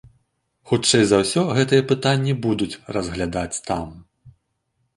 Хутчэй за ўсё, гэтае пытанне будуць разглядаць там.